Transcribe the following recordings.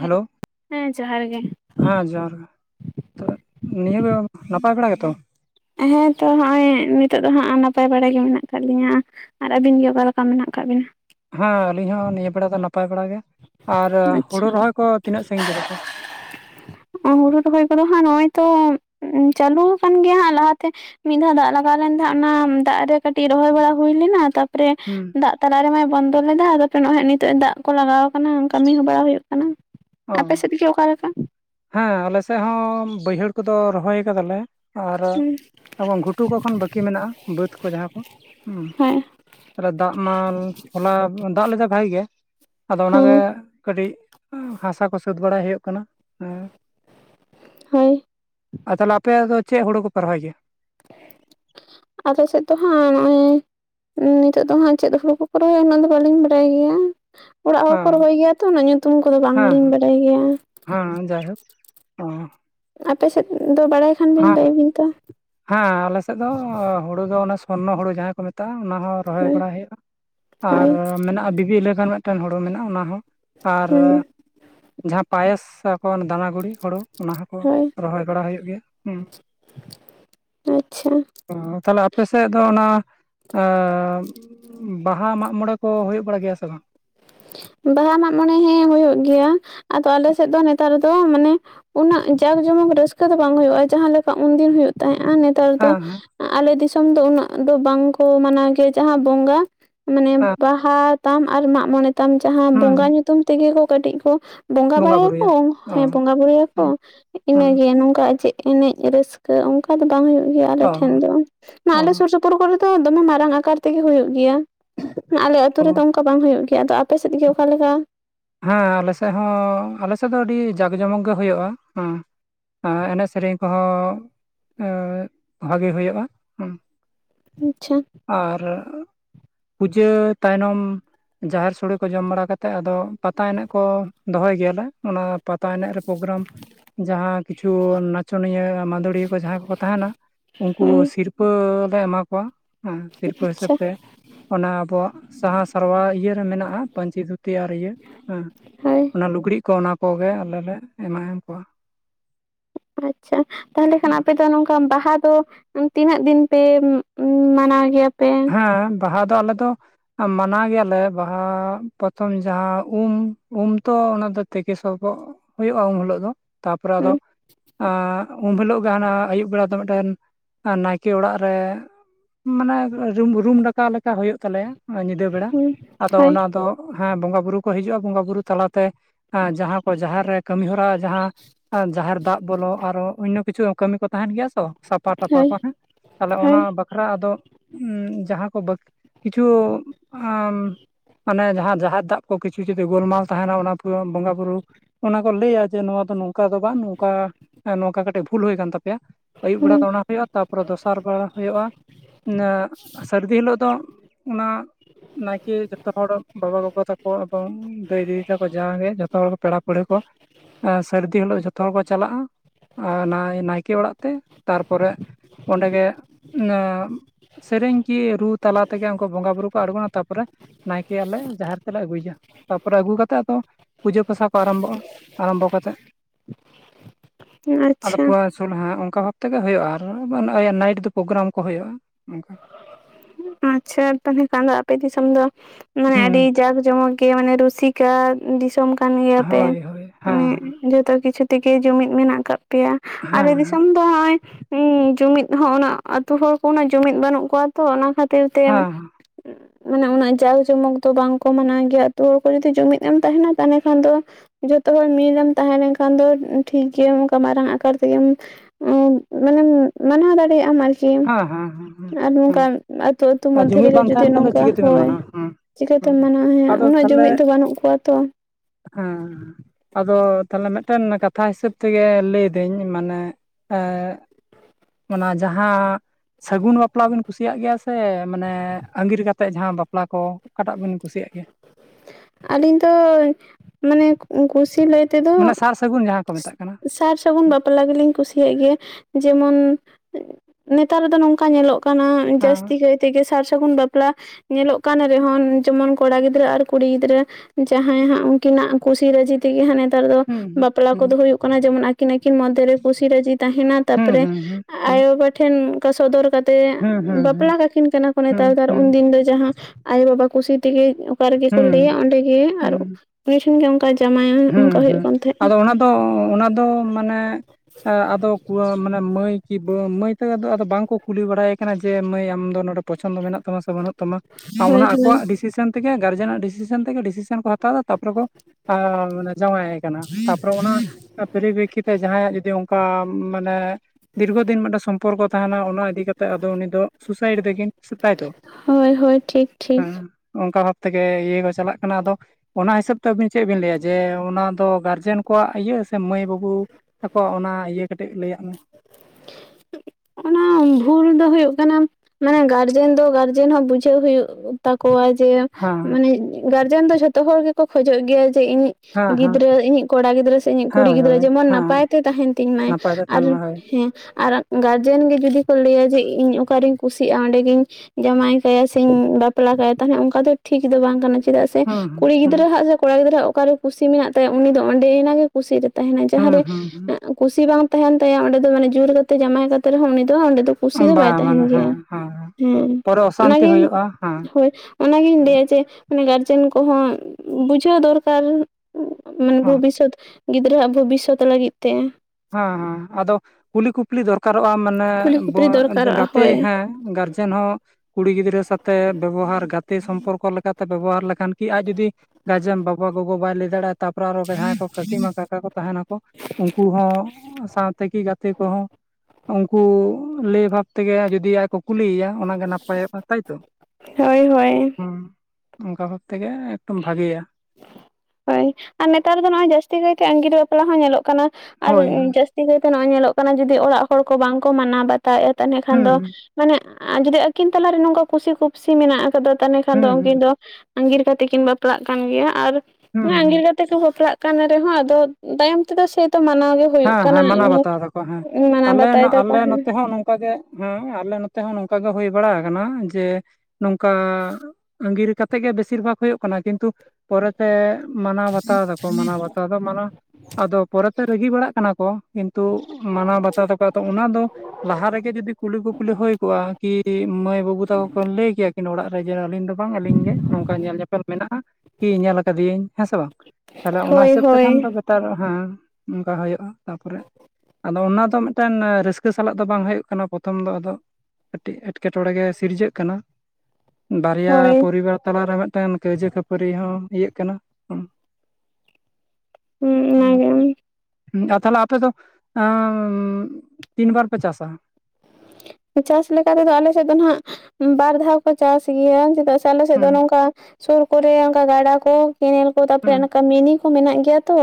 Hello ᱦᱮᱸ ᱡᱚᱦᱟᱨ ᱜᱮ᱾ ᱦᱮᱸ ᱡᱚᱦᱟᱨ ᱜᱮ ᱛ ᱱᱤᱭᱟᱹ ᱠᱚ ᱱᱟᱯᱟᱭ ᱵᱟᱲᱟ ᱜᱮᱛᱚ? ᱦᱮᱸᱛᱚ ᱦᱚᱸᱜᱼᱚᱭ ᱱᱤᱛᱚᱜ ᱫᱚ ᱦᱟᱸᱜ ᱱᱟᱯᱟᱭ ᱵᱟᱲᱟᱭ ᱜᱮ ᱢᱮᱱᱟᱜ ᱟᱠᱟᱫ ᱞᱤᱧᱟᱹ ᱟᱨ ᱟᱹᱵᱤᱱ ᱜᱮ ᱚᱠᱟ ᱞᱮᱠᱟ ᱢᱮᱱᱟᱜ ᱟᱠᱟᱫ ᱵᱤᱱᱟ? ᱦᱮᱸ ᱟᱹᱞᱤᱧ ᱦᱚᱸ ᱱᱤᱭᱟᱹ ᱵᱮᱲᱟ ᱫᱚ ᱱᱟᱯᱟᱭ ᱵᱟᱲᱟ ᱜᱮᱭᱟ ᱟᱨ ᱟᱪᱪᱷᱟ ᱦᱩᱲᱩ ᱨᱚᱦᱚᱭ ᱠᱚ ᱛᱤᱱᱟᱹᱜ ᱥᱟᱺᱜᱤᱧ ᱜᱮᱭᱟ ᱛᱟᱯᱮ? ᱦᱩᱲᱩ ᱨᱚᱦᱚᱭ ᱠᱚᱫᱚ ᱦᱟᱸᱜ ᱱᱚᱜ ᱚᱚᱭ ᱛᱚ ᱪᱟᱞᱩ ᱟᱠᱟᱱ ᱜᱮᱭᱟ ᱦᱟᱸᱜ ᱞᱟᱦᱟ ᱛᱮᱼᱼ ᱢᱤᱫ ᱫᱷᱟᱣ ᱫᱟᱜ ᱞᱟᱜᱟᱣ ᱞᱮᱱ ᱛᱟᱦᱮᱸ ᱚᱱᱟ ᱫᱟᱜ ᱨᱮ ᱠᱟᱹᱴᱤᱡ ᱨᱚᱦᱚᱭ ᱵᱟᱲᱟ ᱦᱩᱭᱞᱱᱟ ᱛᱟᱯᱚᱨᱮᱼᱼ ᱦᱩᱸ᱾ ᱫᱟᱜ ᱛᱟᱞᱟ ᱨᱮ ᱢᱟᱭ ᱵᱚᱱᱫᱚ ᱞᱮᱫᱟ ᱟᱫᱚ ᱯᱷᱮ ᱱᱚᱜᱼᱚᱭ ᱱᱤᱛᱚᱜ ᱫᱟᱜ ᱠᱚ ᱞᱟᱜᱟᱣ ᱠᱟᱱᱟ ᱠᱟᱹᱢᱤ ᱦᱚᱸ ᱵᱟᱲᱟ ᱦᱩᱭᱩᱜ ᱠᱟᱱᱟ, ᱚ ᱟᱯᱮ ᱥᱮᱫᱜᱮ ᱚᱠᱟᱞᱮ ᱞᱮᱠᱟ? ᱦᱮᱸ ᱟᱞᱮ ᱥᱮᱫ ᱦᱚᱸ ᱵᱟᱹᱭᱦᱟᱹᱲ ᱠᱚᱫᱚ ᱨᱚᱦᱚᱭ ᱠᱟᱫᱟᱞᱮ᱾ ᱟᱨ ᱦᱩᱸ ᱮᱵᱚᱝ ᱜᱷᱩᱴᱩ ᱠᱚ ᱠᱷᱚᱱ ᱵᱟᱹᱠᱤ ᱢᱮᱱᱟᱜᱼᱟ ᱵᱟᱹᱫᱽ ᱠᱚ ᱡᱟᱦᱟᱸ ᱠᱚ᱾ ᱦᱳᱭ ᱛᱟᱨᱮ ᱫᱟᱜ ᱢᱟᱞ ᱦᱚᱞᱟ ᱫᱟᱜ ᱞᱮᱫᱟᱭ ᱵᱷᱟᱜᱤ ᱜᱮ ᱟᱫᱚ ᱦᱮᱸ ᱚᱱᱟᱜᱮ ᱠᱟᱹᱴᱤᱡ ᱦᱟᱥᱟ ᱠᱚ ᱥᱟᱹᱛ ᱵᱟᱲᱟᱭ ᱦᱩᱭᱩᱜ ᱠᱟᱱᱟ ᱦᱮᱸ᱾ ᱦᱳᱭ᱾ ᱟᱨ ᱛᱟᱦᱚᱞᱮ ᱟᱯᱮ ᱫᱚ ᱪᱮᱜ ᱦᱩᱲ ᱠᱚ ᱯᱮ ᱨᱚᱦᱚᱭ ᱜᱮᱭᱟ? ᱟᱞᱮ ᱥᱮᱜ ᱫᱚ ᱦᱟᱸᱜ ᱱᱚᱜᱼᱚᱭ ᱩᱸ ᱱᱤᱛᱚᱜ ᱫᱚ ᱦᱟᱸᱜ ᱪᱮᱫ ᱦᱩᱲᱩ ᱠᱚ ᱠᱚ ᱨᱚᱦᱭᱟ ᱚᱱᱟ ᱫᱚ ᱵᱟᱞᱤᱧ ᱵᱟᱰᱟᱭ ᱜᱮᱭᱟ᱾ ᱚᱲᱟᱜ ᱦᱚᱲ ᱠᱚ ᱦᱮᱸ ᱨᱚᱦᱚᱭ ᱜᱮᱭᱟ ᱛᱚ ᱚᱱᱟ ᱧᱩᱛᱩᱢ ᱠᱚᱫᱚ ᱵᱟᱝ ᱞᱤᱧ ᱵᱟᱰᱟᱭ ᱜᱮᱭᱟ᱾ ᱦᱟᱸ ᱡᱟᱭᱦᱳᱠ ᱚᱻ᱾ ᱟᱯᱮ ᱥᱮᱫ ᱫᱚ ᱵᱟᱲᱟᱭ ᱠᱷᱟᱱ ᱵᱤᱱ ᱦᱟᱸ ᱞᱟᱹᱭ ᱵᱤᱱ ᱛᱚ ᱦᱮᱸ ᱟᱞᱮ ᱥᱮᱜ ᱫᱚ ᱦᱩᱲᱩ ᱫᱚ ᱚᱱᱟ ᱥᱚᱨᱱᱚ ᱦᱩᱲᱩ ᱡᱟᱦᱟᱸᱭ ᱠᱚ ᱢᱮᱛ ᱛᱟ ᱚᱱᱟ ᱦᱚᱸ ᱨᱚᱦᱚᱭ ᱦᱳᱭ ᱵᱟᱲᱟ ᱦᱩᱭᱩᱜ ᱟ ᱟᱨ ᱦᱳᱭ ᱢᱮᱱᱟᱜᱼᱟ ᱵᱤᱵᱤ ᱤᱞᱤᱵᱦᱮᱱ ᱢᱤᱫᱴᱮᱱ ᱦᱩᱲᱩ ᱢᱮᱱᱟᱜᱼᱟ ᱚᱱᱟ ᱦᱚᱸ᱾ ᱟᱨ ᱡᱟᱦᱟᱸ ᱯᱟᱭᱮᱥ ᱠᱚ ᱚᱱᱟ ᱫᱟᱱᱟ ᱜᱩᱲᱤ ᱦᱳᱲᱳ ᱚᱱᱟ ᱦᱚᱸ ᱠᱚ ᱦᱳᱭ ᱨᱚᱦᱚᱭ ᱵᱟᱲᱟ ᱦᱩᱭᱩᱜ ᱜᱮᱭᱟ᱾ ᱦᱩᱸ ᱟᱪᱪᱷᱟ᱾ ᱚ ᱛᱟᱦᱚᱞᱮ ᱟᱯᱮ ᱥᱮᱜ ᱫᱚ ᱚᱱᱟ ᱚᱵ ᱵᱟᱦᱟ ᱢᱟᱜ ᱢᱚᱬᱮ ᱠᱚ ᱦᱩᱭᱩᱜ ᱵᱟᱲᱟ ᱜᱮᱭᱟ ᱥᱮ ᱵᱟᱝ? ᱵᱟᱦᱟ ᱢᱟᱜ ᱢᱚᱬᱮ ᱦᱮᱸ ᱦᱩᱭᱩᱜ ᱜᱮᱭᱟ ᱟᱫᱚ ᱟᱞᱮ ᱥᱮᱜ ᱫᱚ ᱱᱮᱛᱟᱨ ᱫᱚ ᱢᱟᱱᱮ ᱩᱱᱟᱹᱜ ᱡᱟᱸᱠ ᱡᱚᱢᱚᱠ ᱨᱟᱹᱥᱠᱟᱹ ᱫᱚ ᱵᱟᱝ ᱦᱩᱭᱩᱜᱼᱟ ᱡᱟᱦᱟ ᱞᱮᱠᱟ ᱩᱱ ᱫᱤᱱ ᱦᱩᱭᱩᱜ ᱛᱟᱦᱮᱸᱜᱼᱟ ᱱᱮᱛ ᱛᱟᱨ ᱫᱚ ᱦᱮᱸ ᱟᱸᱻᱟᱞᱮ ᱫᱤᱥᱚᱢ ᱫᱚ ᱩᱱᱟᱹᱜ ᱫᱚ ᱵᱟᱝ ᱠᱚ ᱢᱟᱱᱟᱣ ᱜᱮ ᱡᱟᱦᱟᱸ ᱵᱚᱸᱜᱟ ᱢᱟᱱᱮ ᱦᱮᱸ ᱵᱟᱦᱟ ᱛᱟᱢ ᱟᱨ ᱢᱟᱜ ᱢᱚᱬᱮ ᱛᱟᱢ ᱡᱟᱦᱟᱸ ᱦᱮᱸ ᱵᱚᱸᱜᱟ ᱦᱩᱸ ᱧᱩᱛᱩᱢ ᱛᱮᱜᱮ ᱠᱚ ᱠᱟᱹᱴᱤᱡ ᱠᱩ ᱵᱚᱸᱜᱟ ᱵᱟᱲᱟᱭᱟ ᱵᱩᱨᱩᱭᱟ ᱠᱚ ᱚ ᱦᱮᱸ ᱵᱚᱸᱜᱟ ᱵᱩᱨᱩ ᱭᱟᱠᱚ ᱦᱩᱸ ᱦᱩᱸ ᱤᱱᱟᱹ‌ ᱜᱮ ᱱᱚᱝᱠᱟ ᱡᱮ ᱮᱱᱮᱡ ᱨᱟᱹᱥ ᱠᱟᱹ ᱚᱱᱠᱟ ᱫᱚ ᱵᱟᱝ ᱦᱩᱭᱩᱜ ᱜᱮᱭᱟ ᱟᱞᱮ ᱚ ᱴᱷᱮᱱ ᱫᱚ ᱱᱟ ᱚ ᱟᱞᱮ ᱥᱩᱨ ᱥᱩᱯ ᱯᱩᱨ ᱠᱚᱨᱮ ᱫᱚᱢᱮ ᱢᱟᱨᱟᱝ ᱟᱠᱟᱨ ᱛᱮᱜᱮ ᱦᱩᱭᱩᱜ ᱜᱮᱭᱟ ᱟᱞᱮ ᱟᱹᱛᱩ ᱚ ᱨᱮᱫᱚ ᱚᱱᱠᱟ ᱵᱟᱝ ᱦᱩᱭᱩᱜ ᱜᱮᱭᱟ ᱟᱫᱚ ᱟᱯ ᱯᱮ ᱥᱮᱫ ᱜᱮ ᱚᱠᱟ ᱞᱮᱠᱟ? ᱦᱮᱸ ᱟᱞᱮ ᱥᱮᱜ ᱦᱚᱸ ᱟᱞᱮ ᱥᱮᱜ ᱫᱚ ᱟᱹᱰᱤ ᱡᱟᱠ ᱡᱚᱢᱚᱠ ᱜᱮ ᱦᱩᱭᱩᱜᱼᱟ ᱚᱸ᱾ ᱮᱻ ᱮᱱᱮᱡ ᱥᱮᱨᱮᱧ ᱠᱚᱦᱚᱸ ᱮᱫ ᱵᱷᱟᱜᱮ ᱦᱩᱭᱩᱜᱼᱟ ᱦᱩᱸ᱾ ᱩᱸ ᱪᱷᱟ᱾ ᱟᱨ ᱯᱩᱡᱟᱹ ᱛᱟᱭᱱᱚᱢ ᱡᱟᱦᱮᱨ ᱥᱳᱲᱮ ᱠᱚ ᱡᱚᱢ ᱵᱟᱲᱟ ᱠᱟᱛᱮᱜ ᱟᱫᱚ ᱯᱟᱛᱟ ᱮᱱᱮᱡ ᱠᱚ ᱫᱚᱦᱚᱭ ᱜᱮᱭᱟ ᱞᱮ ᱚᱱᱟ ᱯᱟᱛᱟ ᱮᱱᱮᱡ ᱨᱮ ᱯᱨᱳᱜᱽᱨᱟᱢ ᱡᱟᱦᱟᱸ ᱠᱤᱪᱷᱩ ᱱᱟᱪᱚᱱᱤᱭᱟᱹ ᱢᱟᱱᱫᱳᱲᱤᱭᱟᱹ ᱠᱚ ᱡᱟᱦᱟᱸ ᱠᱚᱠᱚ ᱛᱟᱦᱮᱱᱟ ᱩᱱᱠᱩ ᱦᱳᱭ ᱥᱤᱨᱯᱟᱹ ᱞᱮ ᱮᱢᱟ ᱠᱚᱣᱟ ᱦᱮᱸ ᱥᱤᱨᱯᱟᱹ ᱦᱤᱥᱟᱹᱵᱽ ᱟᱪᱪᱷᱟ ᱛᱮ᱾ ᱚᱱᱟ ᱟᱵᱚᱣᱟᱜ ᱥᱟᱦᱟ ᱥᱮᱨᱣᱟ ᱤᱭᱟᱹ ᱨᱮ ᱢᱮᱱᱟᱜᱼᱟ ᱯᱟᱹᱧᱪᱤ ᱫᱷᱩᱛᱤ ᱟᱨ ᱤᱭᱟᱹ ᱦᱮᱸ ᱦᱳᱭ ᱚᱱᱟ ᱞᱩᱜᱽᱲᱤᱡ ᱠᱚ ᱚᱱᱟ ᱠᱚᱜᱮ ᱟᱞᱮ ᱞᱮ ᱮᱢᱟᱣ ᱠᱚᱣᱟ᱾ ᱟᱪᱪᱷᱟ᱾ ᱛᱟᱦᱚᱞᱮ ᱠᱷᱟᱱ ᱟᱯᱮ ᱫᱚ ᱱᱚᱝᱠᱟ ᱵᱟᱦᱟ ᱫᱚ ᱩᱸ ᱛᱤᱱᱟᱹᱜ ᱫᱤᱱ ᱯᱮ ᱩᱢ ᱢᱟᱱᱟᱣ ᱜᱮᱭᱟ ᱯᱮ? ᱮᱸ ᱵᱟᱦᱟ ᱫᱚ ᱟᱞᱮ ᱫᱚ ᱚ ᱢᱟᱱᱟᱣ ᱜᱮᱭᱟ ᱞᱮ ᱵᱟᱦᱟ ᱯᱚᱛᱷᱚᱢ ᱡᱟᱦᱟᱸ ᱩᱢ ᱩᱢ ᱛᱚ ᱚᱱᱟ ᱫᱚ ᱛᱤᱠᱮ ᱥᱚᱵᱚᱜ ᱦᱳᱭᱳᱜᱼᱟ ᱩᱱ ᱦᱳᱞᱳᱜ ᱫᱚ ᱛᱟᱨᱯᱚᱨᱮ ᱟᱫᱚ ᱦᱩᱸ ᱟᱸᱜ ᱩᱢ ᱦᱤᱞᱳᱜ ᱜᱮ ᱦᱟᱱᱟ ᱟᱭᱩᱵ ᱵᱮᱲᱟ ᱫᱚ ᱢᱤᱫᱴᱮᱱ ᱟ ᱱᱟᱭᱠᱮ ᱚᱲᱟᱜ ᱨᱮ ᱢᱟᱱᱮ ᱮᱻ ᱨᱩᱢᱵᱽᱼᱩᱨᱢ‌ ᱰᱟᱠᱟ ᱞᱮᱠᱟ ᱦᱩᱭᱩᱜ ᱛᱟᱞᱮᱭᱟ ᱚ ᱧᱤᱫᱟᱹ ᱵᱮᱲᱟ ᱦᱩᱸ ᱟᱫᱚ ᱦᱳᱭ ᱚᱱᱟ ᱫᱚ ᱦᱮᱸ ᱵᱚᱸᱜᱟ ᱵᱩᱨᱩ ᱠᱚ ᱦᱤᱡᱩᱜ-ᱟ ᱵᱚᱸᱜᱟ ᱵᱩᱨᱩ ᱛᱟᱞᱟ ᱛᱮ ᱮᱸ ᱡᱟᱦᱟᱸ ᱠᱚ ᱡᱟᱦᱮᱨ ᱨᱮᱼᱼ ᱠᱟᱹᱢᱤ ᱦᱚᱨᱟ ᱡᱟᱦᱟᱸ ᱟ ᱡᱟᱦᱮᱨ ᱫᱟᱜ ᱵᱚᱞᱚ ᱟᱨᱚ ᱚᱱᱭᱱᱚ ᱠᱤᱪᱷᱩ ᱠᱟᱹᱢᱤ ᱠᱚ ᱛᱟᱦᱮᱱ ᱜᱮᱭᱟ ᱥᱚ ᱥᱟᱛᱼᱼ ᱦᱳᱭ ᱯᱟᱴᱟᱼᱯᱟᱯᱟ ᱦᱮᱸ ᱛᱟᱦᱚᱞᱮ ᱦᱳᱭ ᱚᱱᱟ ᱵᱟᱠᱷᱨᱟ ᱟᱫᱚᱼᱼ ᱩᱸᱢ ᱡᱟᱦᱟᱸ ᱠᱚ ᱵᱟᱹᱠᱤ‌ ᱠᱤᱪᱷᱩ‌ ᱟᱢᱼᱼ ᱢᱟᱱᱮ ᱡᱟᱦᱟᱸ ᱡᱟᱦᱮᱨ ᱫᱟᱜ ᱠᱚ ᱠᱤᱪᱷᱩ ᱡᱩᱫᱤ ᱜᱳᱞᱢᱟᱞ ᱛᱟᱦᱮᱱᱟ ᱚᱱᱟ ᱯᱚ ᱵᱚᱸᱜᱟ ᱵᱩᱨᱩᱼᱼ ᱚᱱᱟ ᱠᱚ ᱞᱟᱹᱭᱟ ᱡᱮ ᱱᱚᱣᱟ ᱫᱚ ᱱᱚᱝᱠᱟ ᱫᱚ ᱵᱟᱝ ᱱᱚᱝᱠᱟ ᱮ ᱱᱚᱝᱠᱟ ᱠᱟᱹᱴᱤᱡ ᱵᱷᱩᱞ ᱦᱩᱭ ᱠᱟᱱ ᱛᱟᱯᱮᱭᱟ᱾ ᱟᱹᱭᱩᱵ ᱵᱮᱲᱟ ᱦᱩᱸ ᱫᱚ ᱚᱱᱟ ᱦᱩᱭᱩᱜ-ᱟ ᱛᱟᱨᱯᱚᱨᱮ ᱫᱚᱥᱟᱨ ᱵᱮᱲᱟ ᱦᱩᱭᱩᱜ-ᱟ᱾ ᱱᱮᱜ ᱥᱟᱹᱨᱫᱤ ᱦᱤᱞᱳᱜ ᱫᱚ ᱚᱱᱟᱼᱼ ᱱᱟᱭᱠᱤ ᱡᱚᱛᱚ ᱦᱚᱲ ᱵᱟᱵᱟ ᱜᱚᱜᱚ ᱛᱟᱠᱚ ᱮᱵᱚᱝ ᱫᱟᱹᱭ ᱫᱤᱫᱤ ᱛᱟᱠᱚ ᱡᱟᱜᱮ ᱡᱚᱛᱚ ᱦᱚᱲ ᱯᱮᱲᱟ ᱯᱟᱹᱣᱲᱟᱹ ᱠᱚ᱾ [unintelligible] ᱥᱟᱹᱨᱫᱤ ᱦᱤᱞᱳᱜ ᱡᱷᱚᱛᱚ ᱦᱚᱲ ᱠᱚ ᱪᱟᱞᱟᱜᱼᱟ ᱱᱟᱭ ᱱᱟᱭᱠᱮ ᱚᱲᱟᱜ ᱛᱮ ᱛᱟᱨᱯᱚᱨᱮ ᱚᱸᱰᱮ ᱜᱮ ᱥᱮᱨᱮᱧ ᱠᱤ ᱨᱩ ᱛᱟᱞᱟ ᱛᱮᱜᱮ ᱩᱱᱠᱩ ᱵᱚᱸᱜᱟ ᱵᱩᱨᱩ ᱠᱚ ᱟᱬᱜᱚᱱᱟ ᱛᱟᱯᱚᱨᱮ ᱱᱟᱭᱠᱮᱭᱟᱞᱮ ᱡᱟᱦᱮᱨ ᱛᱮᱞᱮ ᱟᱹᱜᱩᱭᱟ ᱛᱟᱯᱚᱨᱮ ᱟᱹᱜᱩ ᱠᱟᱛᱮᱜ ᱟᱫᱚ᱾ ᱯᱩᱡᱟᱹ ᱯᱟᱥᱟ ᱠᱚ ᱟᱨᱟᱢᱵᱷᱚᱜᱼᱟ ᱟᱨᱟᱢᱵᱷᱚ ᱠᱟ ᱠᱟᱛᱮᱮᱫᱼᱼ [inaudible] ᱟᱫᱚ ᱟᱪᱪᱷᱟ ᱯᱣᱟᱥ ᱥᱚᱞᱦᱟ ᱚᱱᱠᱟ ᱵᱷᱟᱵᱛᱮᱜᱮ ᱦᱩᱭᱩᱜᱼᱟ ᱟᱨ ᱱᱟᱭᱤᱴ ᱫᱚ ᱯᱨᱳᱜᱨᱟᱢ ᱠᱚ ᱦᱩᱭᱩᱜᱼᱟ ᱚᱱᱠᱟ᱾ ᱟᱪᱪᱷᱟ ᱛᱟᱦᱚᱞᱮ ᱠᱷᱟᱱ ᱫᱚ ᱟᱯᱮ ᱫᱤᱥᱚᱢ ᱫᱚ ᱢᱟᱱᱮ ᱦᱩᱸ ᱟᱹᱰᱤ ᱡᱟᱸᱠ ᱡᱚᱢᱚᱠ ᱜᱮ ᱢᱟᱱᱮ ᱨᱩᱥᱤᱠ ᱠᱟ ᱫᱤᱥᱚᱢ ᱠᱟᱱ ᱜᱮᱭᱟ ᱯᱮ ᱦᱳᱭ ᱦᱳᱭ ᱦᱮᱸ ᱦᱮᱸ ᱢᱟᱱᱮ ᱡᱚᱛᱚ ᱠᱤᱪᱷᱩ ᱛᱮᱜᱮ ᱡᱩᱢᱤᱫ ᱢᱮᱱᱟᱜ ᱠᱟᱫ ᱯᱮᱭᱟ ᱟᱞᱮ ᱦᱮᱸ ᱫᱤᱥᱚᱢ [unintelligible] ᱡᱩᱢᱤᱫ ᱦᱚᱸ ᱩᱱᱟᱹᱜ ᱟᱛᱩ ᱦᱚᱲ ᱠᱚ ᱩᱱᱟᱹᱜ ᱡᱩᱢᱤᱫ ᱵᱟᱹᱱᱩᱜ ᱠᱚᱣᱟ ᱛᱚ ᱚᱱᱟ ᱠᱷᱟᱹᱛᱤᱨ ᱛᱮ ᱦᱮᱸ ᱢᱟᱱᱮ ᱩᱱᱟᱹᱜ ᱡᱟᱠ ᱡᱚᱢᱚᱠ ᱫᱚ ᱵᱟᱝᱠᱚ ᱢᱟᱱᱟᱣ ᱜᱮᱭᱟ ᱛᱚ ᱟᱹᱛᱩ ᱦᱚᱲ ᱠᱚ ᱡᱩᱫᱤ ᱡᱩᱢᱤᱫ ᱮᱢ ᱛᱟᱦᱮᱱᱟ ᱛᱟᱦᱱᱮ ᱠᱷᱟᱱ ᱫᱚ ᱡᱚᱛᱚ ᱦᱚᱲ ᱢᱤᱞ ᱮᱢ ᱛᱟᱦᱮᱸ ᱞᱮᱱᱠᱷᱟᱱ ᱫᱚ ᱴᱷᱤᱠ ᱜᱮᱭᱟ ᱚᱱᱠᱟ ᱢᱟᱨᱟᱝ ᱟᱠᱟᱨ ᱛᱮᱜᱮᱢ [inaudible] ᱢᱟᱱᱮᱢ ᱢᱟᱱᱟᱣ ᱫᱟᱲᱮᱭᱟᱜ ᱟᱢ ᱟᱨᱠᱤ ᱟᱨ ᱦᱮᱸ ᱦᱮᱸ ᱦᱮᱸ ᱦᱮᱸ ᱡᱟᱦᱟᱱᱟᱜ ᱟᱨᱦᱚᱸ ᱦᱮᱸ ᱚᱝᱠᱟ ᱟᱹᱛᱩ ᱟᱹᱛᱩᱳ ᱟᱨ ᱢᱚᱫᱽᱫᱷᱮ ᱡᱩᱢᱤᱫ ᱨᱮᱜᱮ ᱵᱟᱝ ᱡᱩᱫᱤ ᱛᱟᱦᱮᱱ ᱠᱷᱟᱱ ᱫᱚ ᱱᱚᱝᱠᱟ ᱪᱤᱠᱟᱹ ᱛᱮᱵᱮᱱ ᱦᱚᱭ᱾ ᱢᱟᱱᱟᱣᱟ ᱦᱮᱸ ᱦᱮᱸ ᱪᱤᱠᱟᱹᱛᱮᱢ ᱢᱟᱱᱟᱣᱟ ᱦᱮᱸ ᱟᱫᱚ ᱩᱱᱟᱹᱜ ᱛᱟᱦᱚᱞᱮ ᱡᱩᱢᱤᱫ ᱫᱚ ᱵᱟᱹᱱᱩᱜ ᱠᱚᱣᱟ ᱛᱚ᱾ ᱦᱮᱸ ᱟᱫᱚ ᱛᱟᱦᱚᱞᱮ ᱢᱤᱫᱴᱮᱱ ᱠᱟᱛᱷᱟ ᱦᱤᱥᱟᱹᱵ ᱛᱮᱜᱮ ᱞᱟᱹᱭᱫᱟᱹᱧ ᱢᱟᱱᱮ [unintelligible] ᱚᱱᱟ ᱡᱟᱦᱟᱸ [inaudible] ᱥᱟᱹᱜᱩᱱ ᱵᱟᱯᱞᱟ ᱵᱤᱱ ᱠᱩᱥᱤᱭᱟᱜ ᱜᱮᱭᱟ ᱥᱮ ᱢᱟᱱᱮ ᱟᱺᱜᱤᱨ ᱠᱟᱛᱮᱫ ᱡᱟᱦᱟᱸ ᱵᱟᱯᱞᱟ ᱠᱚ ᱚᱠᱟᱴᱟᱜ ᱵᱤᱱ ᱠᱩᱥᱤᱭᱟᱜ ᱜᱮᱭᱟ᱾ ᱟᱹᱞᱤᱧ ᱫᱚ ᱢᱟᱱᱮ ᱠᱩᱥᱤ ᱞᱟ. ᱭ [unintelligible] ᱢᱟᱱᱮ ᱛᱮᱫᱚ ᱥᱟᱨ ᱥᱟᱹᱜᱩᱱ ᱡᱟᱦᱟᱸ ᱠᱚ ᱢᱮᱛᱟᱜ ᱠᱟᱱᱟ ᱥᱟᱨ ᱥᱟᱹᱜᱩᱱ ᱵᱟᱯᱞᱟ ᱜᱮᱞᱤᱧ ᱠᱩᱥᱤᱭᱟᱜ ᱜᱮᱭᱟ ᱡᱮᱢᱚᱱ ᱱᱮᱛᱟᱨ ᱫᱚ ᱱᱚᱝᱠᱟ ᱧᱮᱞᱚᱜ ᱠᱟᱱᱟ ᱦᱮᱸ ᱡᱟᱹᱥᱛᱤ ᱠᱟᱭᱛ [unintelligible] ᱛᱮᱜᱮ ᱥᱟᱨ ᱥᱟᱹᱜᱩᱱ ᱵᱟᱯᱞᱟ ᱧᱮᱞᱚᱜ ᱠᱟᱱ ᱨᱮᱦᱚᱸ ᱡᱮᱢᱚᱱ ᱠᱚᱲᱟ ᱜᱤᱫᱽᱨᱟᱹ ᱟᱨ ᱠᱩ [unintelligible] ᱠᱩᱲᱤ ᱜᱤᱫᱽᱨᱟᱹ ᱡᱟᱦᱟᱸᱭ ᱦᱟᱸᱜ ᱩᱱᱠᱤᱱᱟᱜ ᱠᱩᱥᱤ ᱨᱟᱹᱡᱤ ᱛᱮᱜᱮ ᱦᱟᱸᱜ ᱱᱮᱛᱟᱨ ᱫᱚ ᱦᱩᱸ ᱵᱟᱯᱞᱟ ᱦᱩᱸ ᱠᱚᱫᱚ ᱦᱩᱭᱩᱜ ᱠᱟᱱᱟ ᱡᱮᱢᱚᱱ ᱟᱹᱠᱤᱱ ᱟᱹᱠᱤᱱ ᱢᱚᱫᱽᱫᱷᱮᱨᱮ ᱠᱩᱥᱤ ᱨᱟᱹᱡᱤ ᱛᱟᱦᱮᱱᱟ ᱦᱩᱸ ᱛᱟᱯᱚᱨᱮᱼᱼ ᱦᱩᱸ ᱦᱩᱸ ᱦᱩᱸ ᱟᱭᱳ ᱵᱟᱵᱟ ᱴᱷᱮᱱ ᱚᱱᱠᱟ ᱥᱚᱫᱚᱨ ᱠᱟᱛᱮᱜ ᱦᱩᱸ ᱦᱩᱸ ᱵᱟᱯᱞᱟ ᱦᱩᱸ ᱠᱟᱠᱤᱱ ᱠᱟᱱᱟ ᱠᱚ ᱦᱩᱸ ᱱᱮᱛᱟᱨ ᱫᱚ ᱟᱨ ᱦᱩᱸ ᱩᱱᱫᱤᱱ ᱫᱚ᱾ ᱡᱟᱦᱟᱸ ᱟᱭᱳᱵᱟᱵᱟ ᱠᱩᱥᱤ ᱛᱮᱜᱮ ᱚᱠᱟ ᱨᱮᱜᱮ ᱠᱚ ᱞᱟᱹᱭᱟ ᱦᱩᱸ ᱚᱸᱰᱮᱜᱮ ᱟᱨ ᱦᱩᱸ ᱩᱱᱤ ᱴᱷᱮᱱ ᱜᱮ ᱚᱱᱠᱟ [unintelligible] ᱡᱟᱢᱟᱭ ᱚᱱᱠᱟ ᱦᱩᱭᱩᱜ ᱠᱟᱱ ᱛᱟᱦᱮᱸᱜᱼᱟ᱾ ᱛᱚ ᱚᱱᱟ ᱫᱚ ᱢᱟᱱᱮ ᱟᱫᱚ ᱢᱟᱱᱮ ᱢᱟᱹᱭ ᱠᱤ ᱢᱟᱹᱭ ᱛᱮᱫᱚ ᱵᱟᱝᱠᱚ ᱠᱩᱞᱤ ᱵᱟᱲᱟᱭ ᱠᱟᱱᱟ ᱡᱮ ᱢᱟᱹᱭ ᱟᱢᱫᱚ ᱱᱚᱰᱮ ᱯᱚᱪᱷᱚᱱᱫᱚ ᱢᱮᱱᱟᱜ ᱛᱟᱢᱟ ᱥᱮ ᱵᱟᱹᱱᱩᱜ ᱛᱟᱢᱟ ᱟᱸ ᱚᱱᱟ ᱦᱳᱭ ᱦᱳᱭ ᱟᱠᱚᱣᱟᱜ ᱰᱤᱥᱤᱥᱮᱱᱼᱼ ᱛᱮᱜᱮ ᱜᱟᱨᱡᱮᱱᱟᱜ ᱰᱤᱥᱤᱥᱮᱱ ᱛᱮᱜᱮ ᱰᱤᱥᱮᱱ ᱠᱚ ᱦᱟᱛᱟᱣᱫᱟ ᱛᱯᱚᱨᱮ ᱠᱚ ᱮᱸ ᱡᱟᱶᱟᱭᱮ ᱠᱟᱱᱟ ᱛᱟᱯᱚᱨᱮ ᱚᱱᱟ ᱯᱮᱨᱤ ᱯᱤᱠᱷᱤ ᱛᱮ ᱡᱟᱦᱟᱸᱭᱟᱜ ᱡᱩᱫᱤ ᱚᱱᱠᱟ ᱢᱟᱱᱮ ᱫᱤᱨᱜᱷᱚ ᱫᱤᱱ ᱢᱤᱫᱴᱟᱝ ᱥᱚᱢᱯᱚᱨᱠᱚ ᱛᱟᱦᱮᱱᱟ ᱚᱱᱟ ᱤᱫᱤ ᱠᱟᱛᱮᱜ ᱟᱫᱚ ᱩᱱᱤ ᱫᱚ ᱥᱩᱥᱟᱭᱤᱴ ᱫᱟᱠᱤᱱ ᱥᱮ ᱛᱟᱭᱛᱚ ᱦᱳᱭ ᱦᱳᱭ ᱴᱷᱤᱠ ᱴᱷᱤᱠ ᱚᱝᱠᱟ ᱵᱷᱟᱵ ᱛᱮᱜᱮ ᱤᱭᱟᱹ ᱠᱚ ᱪᱟᱞᱟᱜ ᱠᱟᱱᱟ ᱟᱫᱚ ᱚᱱᱟ ᱦᱤᱥᱟᱹᱵ ᱛᱮ ᱟᱵᱤᱱ ᱪᱮᱫ ᱵᱤᱱ ᱞᱟᱹᱭᱟ ᱡᱮ ᱚᱱᱟ ᱫᱚ ᱜᱟᱨᱡᱮᱱ ᱠᱚᱣᱟᱜ ᱤᱭᱟᱹ ᱥᱮ ᱢᱟᱹᱭ ᱵᱟᱹᱵᱩ ᱛᱟᱠᱚ ᱚᱱᱟ ᱤᱭᱟᱹ ᱠᱟᱹᱴᱤᱡ ᱞᱟᱹᱭᱟᱜ ᱢᱮ [inaudible] ᱚᱱᱟ ᱵᱷᱩᱞ ᱫᱚ ᱦᱩᱭᱩᱜ ᱠᱟᱱᱟ ᱢᱟᱱᱮ ᱜᱟᱨᱡᱮᱱ ᱫᱚ ᱜᱟᱨᱡᱮᱱ ᱦᱚᱸ ᱵᱩᱡᱷᱟᱹᱣ ᱦᱩᱭᱩᱜ ᱛᱟᱠᱚᱣᱟ ᱡᱮ ᱦᱮᱸ ᱢᱟᱱᱮ ᱜᱟᱨᱡᱮᱱ ᱫᱚ ᱡᱷᱚᱛᱚ ᱦᱚᱲ ᱜᱮᱠᱚ ᱠᱷᱚᱡᱚᱜ ᱜᱮᱭᱟ ᱡᱮ ᱤᱧᱤᱡ ᱦᱮᱸ ᱦᱮᱸ ᱜᱤᱫᱽᱨᱟᱹ ᱤᱧᱤᱡ ᱠᱚᱲᱟ ᱜᱤᱫᱽᱨᱟᱹ ᱥᱮ ᱤᱧᱤᱡ ᱦᱮᱸ ᱠᱩᱲᱤ ᱦᱳᱭ ᱜᱤᱫᱽᱨᱟᱹ ᱦᱳᱭ ᱡᱮᱢᱚᱱ ᱦᱮᱸ ᱱᱟᱯᱟᱭᱛᱮ ᱛᱟᱦᱮᱱ ᱛᱤᱧ ᱢᱟᱭ ᱱᱟᱯᱟᱭ ᱛᱮ ᱟᱨ ᱛᱟᱦᱮᱱ ᱢᱟ ᱦᱳᱭ ᱦᱮᱸ ᱟᱨ ᱜᱟᱨᱡᱮᱱ ᱜᱮ ᱡᱩᱫᱤ ᱠᱚ ᱞᱟᱹᱭᱟ ᱡᱮ ᱤᱧ ᱚᱠᱟ ᱨᱮᱧ ᱠᱩᱥᱤᱜᱼᱟ ᱚᱸᱰᱮ ᱜᱤᱧ ᱡᱟᱢᱟᱭ ᱠᱟᱭᱟ ᱥᱮᱧ ᱵᱟᱯᱞᱟ ᱠᱟᱭᱟ ᱛᱟᱦᱞᱮ ᱚᱱᱠᱟ ᱫᱚ ᱴᱷᱤᱠ ᱫᱚ ᱵᱟᱝ ᱠᱟᱱᱟ᱾ ᱪᱮᱫᱟᱜ ᱥᱮ ᱦᱩᱸ ᱠᱩᱲᱤ ᱦᱩᱸ ᱜᱤᱫᱽᱨᱟᱹ ᱦᱟᱜ ᱥᱮ ᱠᱚᱲᱟ ᱜᱤᱫᱽᱨᱟᱹ ᱦᱟᱜ ᱚᱠᱟ ᱨᱮ ᱠᱩᱥᱤ ᱢᱮᱱᱟᱜ ᱛᱟᱭᱟ ᱩᱱᱤ ᱫᱚ ᱚᱸᱰᱮᱭᱱᱟᱜ ᱜᱮ ᱠᱩᱥᱤ ᱨᱮ ᱛᱟᱦᱮᱱᱟᱭ ᱦᱩᱸ ᱡᱟᱦᱟᱸᱨᱮ ᱦᱩᱸ ᱠᱩᱥᱤ ᱵᱟᱝ ᱛᱟᱦᱮᱱ ᱛᱟᱭᱟ ᱚᱸᱰᱮ ᱫᱚ ᱫᱚ ᱢᱟᱱᱮ ᱡᱩᱨ ᱠᱟᱛᱮ ᱡᱟᱢᱟᱭ ᱠᱟᱛᱮ ᱨᱮᱦᱚᱸ ᱩᱱᱤ ᱫᱚ ᱚᱸᱰᱮ ᱫᱚ ᱠᱩᱥᱤ ᱦᱩᱸ ᱫᱚ ᱵᱟᱭ ᱵᱟᱝ ᱢᱟᱱᱮ ᱛᱟᱦᱮᱱ ᱜᱮᱭᱟ ᱦᱮᱸ ᱦᱮᱸ ᱦᱮᱸ ᱯᱚᱨᱮ ᱚᱥᱟᱱᱛᱤ ᱚᱱᱟᱜᱮᱧ ᱦᱩᱭᱩᱜᱼᱟ ᱦᱮᱸ ᱦᱳᱭ ᱚᱱᱟᱜᱤᱧ ᱦᱮᱸ ᱞᱟᱹᱭᱟ ᱡᱮ ᱢᱟᱱᱮ ᱜᱟᱨᱡᱮᱱ ᱠᱚᱦᱚᱸ ᱵᱩᱡᱷᱟᱹᱣ ᱫᱚᱨᱠᱟᱨ ᱢᱟᱱᱮ ᱵᱷᱚᱵᱤᱥᱚᱛ ᱜᱤᱫᱽᱨᱟᱹᱦᱟᱜ ᱵᱷᱚᱵᱤᱥᱚᱛ ᱞᱟᱹᱜᱤᱫ ᱛᱮ ᱦᱮᱸ ᱦᱮᱸ ᱟᱫᱚ ᱠᱩᱞᱤ ᱠᱩᱯᱞᱤ ᱫᱚᱨᱠᱟᱨᱚᱜᱼᱟ ᱢᱟᱱᱮ ᱠᱩᱞᱤ ᱵᱚ ᱠᱩᱯᱞᱤ ᱫᱚᱨᱠᱟᱨᱚᱜᱼᱟ ᱜᱟᱛᱮ ᱦᱳᱭ ᱦᱮᱸ ᱜᱟᱨ ᱜᱟᱨᱡᱮᱱ ᱦᱚᱸ ᱠᱩᱲᱤ ᱜᱤᱫᱽᱨᱟᱹ ᱥᱟᱛᱮ ᱵᱮᱵᱚᱦᱟᱨ ᱜᱟᱛᱮ ᱥᱚᱢᱯᱚᱨᱠᱚ ᱞᱮᱠᱟᱛᱮ ᱵᱮᱵᱚᱦᱟᱨ ᱞᱮᱠᱷᱟᱱ ᱠᱤ ᱟᱡ ᱡᱩᱫᱤ ᱜᱟᱨᱡᱮᱱ ᱵᱟᱵᱟ ᱜᱚᱜᱚ ᱵᱟᱭ ᱞᱟᱹᱭ ᱫᱟᱲᱮᱭᱟᱜᱼᱟ ᱛᱟᱯᱚᱨᱮ ᱟᱨᱚ ᱡᱟᱦᱟᱸᱭ ᱠᱚ ᱠᱟᱹᱠᱤ ᱢᱟ ᱠᱟᱠᱟ ᱠᱚ ᱛᱟᱦᱮᱱᱟᱠᱚ ᱩᱱᱠᱩ ᱦᱚᱸ ᱥᱟᱶᱛᱮ ᱠᱤ ᱜᱟᱛᱮ ᱠᱚᱦᱚᱸ ᱩᱱᱠᱩ ᱞᱟᱹᱭ ᱵᱷᱟᱵ ᱛᱮᱜᱮ ᱡᱩᱫᱤ ᱠᱚ ᱠᱩᱞᱤᱭᱮᱭᱟ ᱚᱱᱟᱜᱮ ᱱᱟᱯᱟᱭᱚᱜᱼᱟ ᱛᱟᱭᱛᱚ ᱦᱳᱭ ᱦᱳᱭ ᱦᱩᱸ ᱚᱱᱠᱟ ᱵᱷᱟᱵ ᱛᱮᱜᱮ ᱮᱠᱫᱚᱢ ᱵᱷᱟᱜᱮᱭᱟ᱾ ᱦᱳᱭ ᱟᱨ ᱱᱮᱛᱟᱨ ᱫᱚ ᱱᱚᱜᱼᱚᱭ ᱡᱟᱹᱥᱛᱤ ᱠᱟᱭᱛᱮ ᱟᱜᱤᱨ ᱵᱟᱯᱞᱟ ᱦᱚᱸ ᱧᱮᱞᱚᱜ ᱠᱟᱱᱟ᱾ ᱟᱨ ᱦᱳᱭ ᱦᱳᱭ ᱡᱟᱹᱥᱛᱤ ᱠᱟᱭᱛᱮ ᱱᱚᱜᱼᱚᱭ ᱧᱮᱞᱚᱜ ᱠᱟᱱᱟ ᱡᱩᱫᱤ ᱚᱲᱟᱜ ᱦᱚᱲ ᱠᱚ ᱵᱟᱝᱠᱚ ᱢᱟᱱᱟᱣ ᱵᱟᱛ ᱛᱟᱣᱮᱫᱼᱟ ᱛᱟᱦᱚᱞᱮ ᱦᱩᱸ ᱠᱷᱟᱱ ᱫᱚ ᱦᱩᱸ ᱢᱟᱱᱮ ᱡᱩᱫᱤ ᱟᱹᱠᱤᱱ ᱛᱟᱞᱟᱨᱮ ᱱᱚᱝᱠᱟ ᱠᱩᱥᱤ ᱠᱩᱯᱥᱤ ᱢᱮᱱᱟᱜᱼᱟ ᱛᱚ ᱫᱚ ᱛᱟᱦᱞᱮ ᱠᱷᱟᱱ ᱫᱚ ᱦᱩᱸ ᱦᱩᱸ ᱩᱱᱠᱤᱱ ᱫᱚ ᱟᱸᱜᱤᱨ ᱠᱟᱛᱮ ᱠᱤᱱ ᱵᱟᱯᱞᱟᱜ ᱠᱟᱱ ᱜᱮᱭᱟ ᱟᱨ ᱦᱩᱸ ᱦᱩᱸ ᱟᱸᱜᱤᱨ ᱠᱟ ᱛᱮᱠᱚ ᱵᱟᱯᱞᱟᱜ ᱠᱟᱱ ᱨᱮᱦᱚᱸ ᱟᱫᱚ ᱛᱟᱭᱚᱢ ᱛᱮᱫᱚ ᱥᱮ ᱛᱚ ᱢᱟᱱᱟᱣ ᱜᱮ ᱦᱩᱭᱩᱜ ᱦᱮᱸ ᱠᱟᱱᱟ ᱦᱮᱸ ᱢᱟᱱᱟᱣ ᱵᱟᱛᱟᱣ ᱫᱟᱠᱚ ᱦᱮᱸ ᱢᱟᱱᱟᱣ ᱟᱞᱮ ᱵᱟᱛᱟᱭ ᱫᱟᱠᱚ ᱟᱞᱮ ᱦᱮᱸ ᱱᱚᱛᱮ ᱦᱚᱸ ᱱᱚᱱ ᱝᱠᱟ ᱜᱮ ᱦᱮᱸ ᱟᱞᱮ ᱱᱚᱛᱮ ᱦᱚᱸ ᱱᱚᱝᱠᱟ ᱜᱮ ᱦᱩᱭ ᱵᱟᱲᱟ ᱠᱟᱱᱟ ᱡᱮ ᱱᱚᱝᱠᱟ ᱟᱸᱜᱤᱨ ᱠᱟᱛᱮᱜ ᱜᱮ ᱵᱮᱥᱤᱨ ᱵᱷᱟᱜᱽ ᱦᱩᱭᱩᱜ ᱠᱟᱱᱟ ᱠᱤᱱᱛᱩ ᱯᱚᱨᱮᱛᱮ ᱢᱟᱱᱟᱣ ᱵᱟᱛᱟᱣ ᱫᱟᱠᱚ ᱢᱟᱱᱟᱣ ᱵᱟᱛᱟᱣ ᱫᱚ ᱢᱟᱱᱟᱣ ᱟᱫᱚ ᱯᱚᱨᱮᱛᱮ ᱨᱟᱹᱜᱤ ᱵᱟᱲᱟᱜ ᱠᱟᱱᱟ ᱠᱚ ᱠᱤᱱᱛᱩ ᱢᱟᱱᱟᱣ ᱵᱟᱛᱟᱣ ᱛᱟᱠᱚᱣᱟ ᱛᱚ ᱚᱱᱟ ᱫᱚ ᱞᱟᱦᱟ ᱨᱮᱜᱮ ᱡᱩᱫᱤ ᱠᱩᱞᱤ ᱠᱩᱯᱞᱤ ᱦᱩᱭ ᱠᱚᱜᱼᱟ ᱠᱤ ᱢᱟᱹᱭ ᱵᱟ. ᱵᱟᱹᱵᱩ ᱛᱟᱠᱚ ᱠᱚ ᱞᱟᱹᱭ ᱠᱮᱭᱟ ᱠᱤᱱ ᱚᱲᱟᱜ ᱨᱮ ᱡᱮ ᱟᱹᱞᱤᱧ ᱫᱚ ᱵᱟᱝ ᱟᱹᱞᱤᱧ ᱜᱮ ᱱᱚᱝᱠᱟ ᱧᱮᱞ ᱧᱮᱯᱮᱞ ᱢᱮᱱᱟᱜᱼᱟ ᱠᱤ ᱧᱮᱞ ᱟᱠᱟᱫᱮᱭᱟᱹᱧ ᱦᱮᱸ ᱥᱮ ᱵᱟᱝ ᱛᱟᱦᱚᱞᱮ ᱚᱱᱟ ᱦᱳᱭ ᱦᱤᱥᱟᱹᱵ ᱦᱳᱭ ᱛᱮᱠᱷᱟᱱ ᱫᱚ ᱱᱮᱛᱟᱨ ᱦᱮᱸ ᱱᱚᱝᱠᱟ ᱦᱩᱭᱩᱜᱼᱟ ᱛᱟᱯᱚᱨᱮ ᱟᱫᱚ ᱚᱱᱟ ᱫᱚ ᱢᱤᱛ ᱢᱤᱫᱴᱟᱱ ᱨᱟᱹᱥᱠᱟᱹ ᱥᱟᱞᱟᱜ ᱫᱚ ᱵᱟᱝ ᱦᱩᱭᱩᱜ ᱠᱟᱱᱟ ᱯᱚᱨᱚᱛᱷᱚᱢ ᱫᱚ ᱟᱫᱚ ᱠᱟᱹᱴᱤᱡ ᱮᱸᱴᱠᱮᱴᱚᱬᱮ ᱜᱮ ᱥᱤᱨᱡᱟᱹᱜ ᱠᱟᱱᱟ ᱵᱟᱨᱭᱟ ᱦᱳᱭ ᱯᱚᱨᱤᱵᱟᱨ ᱛᱟᱞᱟᱨᱮ ᱢᱤᱫᱴᱮᱱ ᱠᱟᱹᱭᱡᱟᱹ ᱠᱷᱟᱹᱯᱟᱹᱨᱤ ᱦᱚᱸ ᱤᱭᱟᱹᱜ ᱠᱟᱱᱟ᱾ ᱦᱩᱸ ᱚᱱᱟᱜᱮ ᱦᱩᱸ ᱟᱨ ᱛᱟᱦᱚᱞᱮ ᱟᱯᱮ ᱫᱚ ᱮᱸ ᱛᱤᱱ ᱵᱟᱨ ᱯᱮ ᱪᱟᱥᱟ ᱪᱟᱥ ᱞᱮᱠᱟᱛᱮ ᱫᱚ ᱟᱞᱮ ᱥᱮᱫ ᱫᱚ ᱱᱟᱦᱟᱸᱜ ᱵᱟᱨ ᱫᱷᱟᱣ ᱠᱚ ᱪᱟᱥ ᱜᱮᱭᱟ ᱪᱮᱫᱟᱜ ᱥᱮ ᱟᱞᱮ ᱥᱮᱫ ᱫᱚ ᱦᱩᱸ ᱱᱚᱝᱠᱟ ᱥᱩᱨ ᱠᱚᱨᱮ ᱚᱱᱠᱟ ᱜᱟᱰᱟ ᱠᱚ ᱠᱮᱱᱮᱞ ᱠᱚ ᱛᱟᱯᱚᱨᱮ ᱦᱩᱸ ᱚᱱᱠᱟ ᱢᱤᱱᱤ ᱠᱚ ᱢᱮᱱᱟᱜ ᱜᱮᱭᱟ ᱛᱚ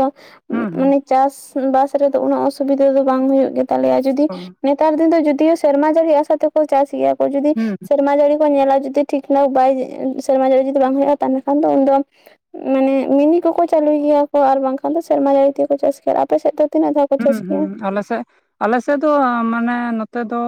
ᱦᱩᱸ ᱦᱩᱸ ᱢᱟᱱᱮ ᱪᱟᱥ ᱵᱟᱥ ᱨᱮᱫᱚ ᱩᱱᱟᱹᱜ ᱚᱥᱩᱵᱤᱫᱟ ᱫᱚ ᱵᱟᱝ ᱦᱩᱭᱩᱜ ᱜᱮᱛᱟᱞᱮᱭᱟ ᱡᱩᱫᱤ ᱚ ᱱᱮᱛᱟᱨ ᱫᱤᱱ ᱫᱚ ᱡᱩᱫᱤᱭᱳ ᱥᱮᱨᱢᱟ ᱡᱟᱹᱲᱤ ᱟᱥᱟᱛᱮ ᱠᱚ ᱪᱟᱥ ᱜᱮᱭᱟ ᱠᱚ ᱡᱩᱫᱤ ᱦᱩᱸ ᱥᱮᱢᱟ ᱡᱟᱹᱲᱤ ᱧᱮᱞᱟ ᱡᱩᱫᱤ ᱴᱷᱤᱠ ᱴᱷᱟᱠ ᱵᱟᱭ ᱥᱮᱨᱢᱟ ᱡᱟᱲᱤ ᱡᱩᱫᱤ ᱵᱟᱝ ᱦᱩᱭᱩᱜᱼᱟ ᱛᱟᱦᱮᱞᱮ ᱠᱷᱟᱱ ᱫᱚ ᱩᱱ ᱫᱚ ᱢᱟᱱᱮ ᱢᱤᱱᱤ ᱠᱚᱠᱚ ᱪᱟᱹᱞᱩᱭ ᱜᱮᱭᱟ ᱠᱚ ᱟᱨ ᱵᱟᱝᱠᱷᱟᱱ ᱫᱚ ᱥᱮᱨᱢᱟ ᱡᱟᱹᱲᱤ ᱛᱮ ᱠᱚ ᱪᱟᱥ ᱜᱮᱭᱟ ᱟᱯᱮ ᱥᱮᱫ ᱫᱚ? ᱛᱤᱱᱟᱹᱜ ᱫᱷᱟᱣ ᱠᱚ ᱦᱮᱸ ᱪᱟᱥ ᱦᱩᱸ ᱜᱮᱭᱟ ᱟᱞᱮ ᱥᱮᱫ ᱟᱞᱮ ᱥᱮᱫ ᱫᱚ ᱢᱟᱱᱮ ᱱᱚᱛᱮ ᱫᱚ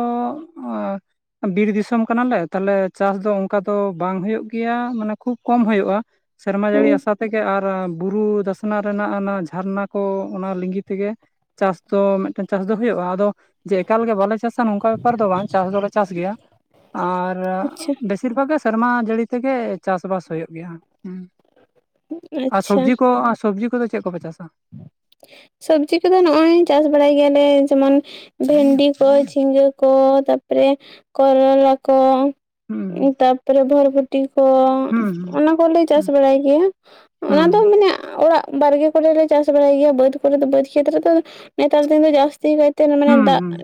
ᱵᱤᱨ ᱫᱤᱥᱚᱢ ᱠᱟᱱᱟᱞᱮ ᱛᱟᱦᱞᱮ ᱪᱟᱥ ᱫᱚ ᱚᱱᱠᱟ ᱫᱚ ᱵᱟᱝ ᱦᱩᱭᱩᱜ ᱜᱮᱭᱟ ᱢᱟᱱᱮ ᱠᱷᱩᱵᱽ ᱠᱚᱢ ᱦᱩᱭᱩᱜᱼᱟ᱾ ᱥᱮᱨᱢᱟ ᱡᱟᱹᱲᱤ ᱦᱩᱸ ᱟᱥᱟ ᱛᱮᱜᱮ ᱟᱨ ᱵᱩᱨᱩ ᱫᱟᱥᱱᱟ ᱨᱮᱱᱟᱜ ᱚᱱᱟ ᱡᱷᱟᱨᱱᱟ ᱠᱚ ᱚᱱᱟ ᱞᱤᱸᱜᱤ ᱛᱮᱜᱮ ᱪᱟᱥ ᱫᱚ ᱢᱤᱫᱴᱮᱱ ᱪᱟᱥ ᱫᱚ ᱦᱩᱭᱩᱜᱼᱟ ᱟᱫᱚ ᱡᱮ ᱮᱠᱟᱞ ᱜᱮ ᱵᱟᱞᱮ ᱪᱟᱥᱟ ᱱᱚᱝᱠᱟ ᱵᱮᱯᱟᱨ ᱫᱚ ᱵᱟᱝ ᱪᱟᱥ ᱫᱚᱞᱮ ᱪᱟᱥ ᱜᱮᱭᱟ ᱟᱨ ᱟᱪᱪᱷᱟ ᱵᱮᱥᱤᱨ ᱵᱷᱟᱜᱽ ᱜᱮ ᱥᱮᱨᱢᱟ ᱡᱟᱹᱲᱤ ᱛᱮᱜᱮ ᱪᱟᱥᱵᱟᱥ ᱦᱩᱭᱩᱜ ᱜᱮᱭᱟ ᱦᱩᱸ ᱟᱨ ᱥᱚᱵᱡᱤ ᱠᱚ ᱥᱚᱵᱡᱤ ᱠᱚᱫᱚ ᱪᱮᱫ ᱠᱚᱯᱮ ᱪᱟᱥᱟ? ᱥᱚᱵᱡᱤ ᱠᱚᱫᱚ ᱱᱚᱜᱼᱚᱭ ᱪᱟᱥ ᱵᱟᱲᱟᱭ ᱜᱮᱭᱟᱞᱮ ᱡᱮᱢᱚᱱ ᱵᱷᱮᱱᱰᱤ ᱠᱚ ᱡᱷᱤᱸᱜᱟᱹ ᱠᱚ ᱛᱟᱯᱚᱨᱮ ᱠᱚᱨᱚᱞᱟ ᱠᱚ ᱦᱩᱸ ᱛᱟᱯᱚᱨᱮ ᱵᱷᱚᱨᱵᱷᱚᱴᱤ ᱠᱚ ᱦᱩᱸ ᱚᱱᱟ ᱠᱚᱞᱮ ᱪᱟᱥ ᱦᱩᱸ ᱵᱟᱲᱟᱭ ᱜᱮᱭᱟ ᱚᱱᱟ ᱦᱩᱸ ᱫᱚ ᱢᱟᱱᱮ ᱚᱲᱟᱜ ᱵᱟᱲᱜᱮ ᱠᱚᱨᱮᱞᱮ ᱪᱟᱥ ᱵᱟᱲᱟᱭ ᱜᱮᱭᱟ ᱵᱟᱹᱫ ᱠᱚᱨᱮ ᱫᱚ ᱵᱟᱹᱫᱽ ᱠᱷᱮᱛ ᱨᱮ ᱱᱮᱛᱟᱨ ᱫᱤᱱ ᱫᱚ ᱡᱟᱹᱥᱛᱤ ᱠᱟᱭ ᱛᱮ ᱦᱩᱸ ᱢᱟᱱᱮ ᱦᱩᱸ ᱫᱟᱜ ᱦᱩᱸ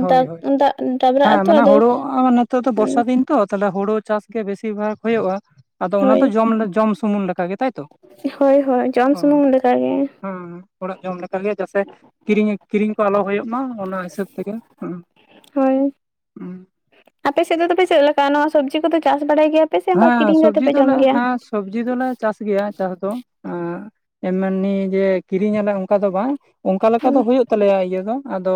ᱦᱳᱭ ᱦᱳᱭ ᱫᱟᱜ ᱰᱟᱵᱨᱟᱜ ᱦᱮᱸ ᱟᱛᱚ ᱢᱟᱱᱮ ᱟᱫᱚ ᱦᱳᱲᱳ ᱱᱤᱛᱚᱜ ᱫᱚ ᱵᱚᱨᱥᱟ ᱦᱩᱸ ᱫᱤᱱ ᱛᱚ ᱛᱟᱦᱚᱞᱮ ᱦᱩᱲᱩ ᱪᱟᱥ ᱜᱮ ᱵᱮᱥᱤᱨ ᱵᱷᱟᱜ ᱦᱩᱭᱩᱜᱳᱜᱼᱟ ᱟᱫᱚ ᱚᱱᱟ ᱦᱳᱭ ᱫᱚ ᱡᱚᱢ ᱡᱚᱢ ᱥᱩᱢᱩᱱ ᱞᱮᱠᱟ ᱜᱮ ᱦᱳᱭ ᱦᱳᱭ ᱡᱚᱢ ᱥᱩᱢᱩᱢ ᱞᱮᱠᱟᱜᱮ ᱦᱮᱸ ᱚᱲᱟᱜ ᱡᱚᱢ ᱞᱮᱠᱟ ᱜᱮ ᱡᱟᱥᱮ ᱠᱤᱨᱤᱧ ᱠᱤᱨᱤᱧ ᱟᱞᱚ ᱦᱩᱭᱩᱜ ᱢᱟ ᱚᱱᱟ ᱦᱤᱥᱟᱹᱵ ᱛᱮᱜᱮ ᱦᱩᱸ ᱦᱳᱭ ᱦᱩᱸ ᱟᱯᱮ ᱥᱮᱫ ᱫᱚ ᱛᱚᱵᱮ ᱪᱮᱫ ᱞᱮᱠᱟ? ᱱᱚᱣᱟ ᱥᱚᱵᱡᱤ ᱠᱚᱫᱚ ᱪᱟᱥ ᱵᱟᱲᱟᱭ ᱜᱮᱭᱟ ᱯᱮ ᱥᱮ ᱚᱱᱠᱟ ᱦᱮᱸ, ᱠᱤᱨᱤᱧ ᱠᱟᱛᱮ ᱥᱚᱵᱡᱤ ᱯᱮ ᱫᱚᱞᱮ ᱡᱚᱢ ᱜᱮᱭᱟ ᱦᱮᱸ ᱥᱚᱵᱽᱡᱤ ᱫᱚᱞᱮ ᱪᱟᱥ ᱜᱮᱭᱟ ᱪᱟᱥ ᱫᱚ, ᱮᱢᱱᱤ ᱡᱮ ᱠᱤᱨᱤᱧᱟᱞᱮ ᱚᱱᱠᱟ ᱫᱚ ᱵᱟᱝ᱾ ᱚᱝᱠᱟ ᱞᱮᱠᱟ ᱫᱚ ᱦᱩᱸ ᱦᱩᱭᱩᱜ ᱛᱟᱞᱮᱭᱟ ᱤᱭᱟᱹ ᱫᱚ, ᱟᱫᱚ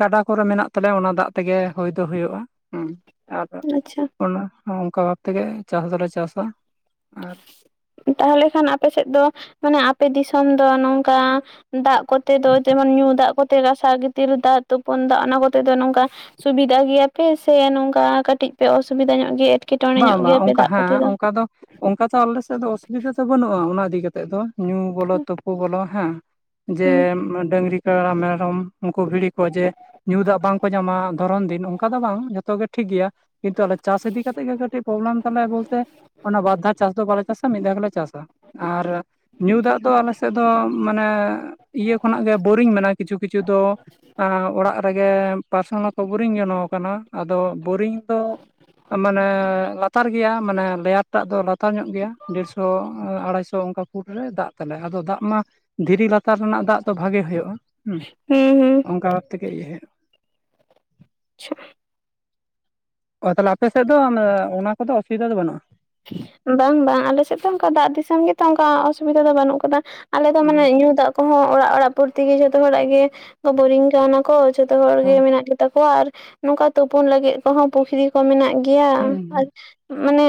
ᱜᱟᱰᱟ ᱠᱚᱨᱮ ᱢᱮᱱᱟᱜ ᱛᱟᱞᱮᱭᱟ ᱚᱱᱟ ᱫᱟᱜ ᱛᱮᱜᱮ ᱦᱩᱭ ᱫᱚ ᱦᱩᱭᱩᱜᱼᱟ ᱾ ᱦᱩᱸ ᱟᱨ ᱟᱪᱪᱷᱟ ᱾ ᱚᱱᱟ ᱦᱚᱸ ᱚᱱᱠᱟ ᱵᱷᱟᱵ ᱛᱮᱜᱮ ᱪᱟᱥ ᱫᱚᱞᱮ ᱪᱟᱥᱟ ᱟᱨ ᱛᱟᱦᱚᱞᱮ ᱠᱷᱟᱱ ᱟᱯᱮ ᱥᱮᱫ ᱫᱚ ᱢᱟᱱᱮ ᱟᱯᱮ ᱫᱤᱥᱚᱢ ᱫᱚ ᱱᱚᱝᱠᱟ ᱫᱟᱜ ᱠᱚᱛᱮ ᱫᱚ ᱡᱮᱢᱚᱱ ᱧᱩ ᱫᱟᱜ ᱠᱚᱛᱮ ᱜᱟᱥᱟᱣ ᱜᱤᱛᱤᱞ ᱫᱟᱜ ᱛᱩᱯᱩᱱ ᱫᱟᱜ ᱚᱱᱟ ᱠᱚᱛᱮ ᱫᱚ ᱱᱚᱝᱠᱟ ᱥᱩᱵᱤᱫᱟ ᱜᱮᱭᱟᱯᱮ ᱥᱮ ᱱᱚᱝᱠᱟ ᱠᱟᱹᱴᱤᱡ ᱯᱮ ᱚᱥᱩᱵᱤᱫᱟ ᱧᱚᱜ ᱜᱮᱭᱟ ᱮᱴᱠᱮᱴᱚᱬᱮ ᱵᱟᱝ ᱧᱚᱜ ᱵᱟᱝ ᱜᱮᱭᱟᱯᱮ ᱚᱱᱠᱟ ᱫᱟᱜ ᱠᱚᱛᱮ ᱦᱮᱸ ᱫᱚ ᱾ ᱚᱱᱠᱟ ᱫᱚ ᱚᱱᱠᱟ ᱛᱚ ᱟᱞᱮ ᱥᱮᱫ ᱫᱚ ᱚᱥᱩᱵᱤᱫᱟ ᱫᱚ ᱵᱟᱹᱱᱩᱜᱼᱟ ᱚᱱᱟ ᱤᱫᱤ ᱠᱟᱛᱮ ᱫᱚ ᱧᱩ ᱩ ᱵᱚᱞᱚ ᱛᱩᱯᱩ ᱵᱚᱞᱚ ᱦᱮᱸ, ᱦᱩᱸ ᱡᱮ ᱰᱟᱹᱝᱨᱤ ᱠᱟᱲᱟ, ᱢᱮᱨᱚᱢ ᱩᱱᱠᱩ ᱵᱷᱤᱲᱤ ᱠᱚ ᱡᱮ ᱧᱩ ᱫᱟᱜ ᱵᱟᱝᱠᱚ ᱧᱟᱢᱟ, ᱫᱷᱚᱨᱚᱱ ᱫᱤᱱ ᱚᱱᱠᱟ ᱫᱚ ᱵᱟᱝ ᱡᱷᱚᱛᱚ ᱜᱮ ᱴᱷᱤᱠ ᱜᱮᱭᱟ ᱠᱤᱱᱛᱩ ᱟᱞᱮ ᱪᱟᱥ ᱤᱫᱤ ᱠᱟᱛᱮᱜ ᱜᱮ ᱠᱟᱹᱴᱤᱡ ᱯᱚᱨᱚᱵᱮᱞᱮᱢ ᱛᱟᱞᱮᱭᱟ ᱵᱚᱞᱛᱮ ᱚᱱᱟ ᱵᱟᱨ ᱫᱷᱟᱹᱣ ᱪᱟᱥ ᱫᱚ ᱵᱟᱞᱮ ᱪᱟᱥᱟ ᱢᱤᱫ ᱫᱷᱟᱹᱣ ᱜᱮᱞᱮ ᱪᱟᱥᱟ ᱟᱨ ᱧᱩ ᱫᱟᱜ ᱫᱚ ᱟᱞᱮ ᱥᱮᱫ ᱫᱚ ᱢᱟᱱᱮ ᱤᱭᱟᱹ ᱠᱷᱚᱱᱟᱜ ᱜᱮ ᱵᱳᱨᱤᱝ ᱢᱮᱱᱟᱜᱼᱟ ᱠᱤᱪᱷᱩ ᱠᱤᱪᱷᱩ ᱫᱚ ᱾ ᱟ ᱚᱲᱟᱜ ᱨᱮᱜᱮ ᱯᱟᱨᱥᱚᱱᱟᱞ ᱦᱚᱸᱠᱚ ᱵᱳᱨᱤᱝ ᱡᱚᱱᱚ ᱠᱟᱱᱟ, ᱟᱫᱚ ᱵᱳᱨᱤᱝ ᱫᱚ ᱢᱟᱱᱮ ᱞᱟᱛᱟᱨ ᱜᱮᱭᱟ, ᱢᱟᱱᱮ ᱞᱮᱭᱟᱨ ᱴᱟᱜ ᱫᱚ ᱞᱟᱛᱟᱨ ᱧᱚᱜ ᱜᱮᱭᱟ ᱰᱮᱲᱥᱚ ᱟᱲᱟᱭᱥᱚ ᱾ ᱚᱱᱠᱟ ᱯᱩᱴ ᱨᱮ ᱫᱟᱜ ᱛᱟᱞᱮ, ᱟᱫᱚ ᱫᱟᱜ ᱢᱟ ᱫᱷᱤᱨᱤ ᱞᱟᱛᱟᱨ ᱨᱮᱱᱟᱜ ᱫᱟᱜ ᱫᱚ ᱵᱷᱟᱜᱮ ᱦᱩᱭᱩᱜᱼᱟ ᱦᱩᱸ ᱦᱩᱸ ᱾ ᱚᱱᱠᱟ ᱵᱷᱟᱵ ᱛᱮᱜᱮ ᱤᱭᱟᱹ ᱦᱩᱭᱩᱜᱼᱟ ᱾ ᱟᱪᱪᱷᱟ ᱚ ᱛᱟᱦᱚᱞᱮ ᱟᱯᱮ ᱥᱮᱫ ᱫᱚ ᱚᱱᱟ ᱠᱚᱫᱚ ᱚᱥᱩᱵᱤᱫᱟ ᱫᱚ ᱵᱟᱹᱱᱩᱜᱼᱟ ᱾ ᱵᱟᱝ ᱵᱟᱝ ᱟᱞᱮᱮᱥᱮᱫ ᱫᱚ ᱚᱱᱠᱟ ᱫᱟᱜ ᱫᱤᱥᱚᱢ ᱜᱮᱛᱚ ᱚᱱᱠᱟ ᱚᱥᱩᱵᱤᱫᱟ ᱫᱚ ᱵᱟᱹᱱᱩᱜ ᱟᱠᱟᱫᱟ, ᱟᱞᱮ ᱫᱚ ᱢᱟᱱᱮ ᱦᱩᱸ ᱧᱩ ᱫᱟᱜ ᱦᱚᱸ ᱚᱲᱟᱜ ᱚᱲᱟᱜ ᱯᱨᱚᱛᱤ ᱜᱮ ᱡᱷᱚᱛᱚ ᱦᱚᱲᱟᱜ ᱜᱮ ᱵᱳᱨᱤᱝ ᱠᱚ ᱦᱮᱱᱟᱜ ᱾ ᱡᱚᱛᱚ ᱦᱚᱲ ᱜᱮ ᱦᱩᱸ ᱢᱮᱱᱟᱜ ᱜᱮᱛᱟ ᱠᱚᱣᱟ ᱟᱨ ᱱᱚᱝᱠᱟ ᱛᱩᱯᱩᱱ ᱞᱟᱹᱜᱤᱫ ᱠᱚᱦᱚᱸ ᱯᱩᱠᱷᱨᱤ ᱠᱚ ᱢᱮᱱᱟᱜ ᱜᱮᱭᱟ ᱦᱩᱸ ᱟᱨ ᱢᱟᱱᱮ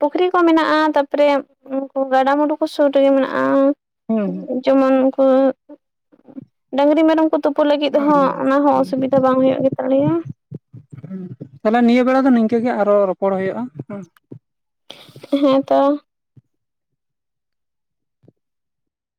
ᱯᱩᱠᱷᱨᱤ ᱠᱚ ᱢᱮᱱᱟᱜᱼᱟ, ᱛᱟᱯᱚᱨᱮ ᱩᱱᱠᱩ ᱜᱟᱰᱟᱼᱢᱩᱸᱰᱩ ᱠᱚ ᱥᱩᱨ ᱨᱮᱜᱮ ᱢᱮᱱᱟᱜᱼᱟ᱾ ᱦᱩᱸ ᱡᱮᱢᱚᱱ ᱩᱱᱠᱩ ᱰᱟᱝᱨᱤ, ᱢᱮᱨᱚᱢ ᱠᱚᱼᱼ ᱛᱩᱯᱩ ᱞᱟᱹᱜᱤᱫ ᱦᱚᱸ ᱦᱩᱸ ᱚᱱᱟ ᱦᱚᱸ ᱦᱩᱸ ᱚᱥᱩᱵᱤᱫᱟ ᱵᱟᱝ ᱦᱩᱭᱩᱜ ᱜᱮᱛᱟᱞᱮᱭᱟ᱾ ᱦᱩᱸ, ᱛᱟᱦᱞᱮ ᱱᱤᱭᱟᱹ ᱵᱮᱲᱟ ᱫᱚ ᱱᱤᱝᱠᱟᱹᱜ ᱜᱮ ᱟᱨᱚ ᱨᱚᱯᱚᱲ ᱦᱩᱭᱩᱜᱼᱟ, ᱦᱮᱸ᱾ ᱦᱮᱸ ᱛᱚ᱾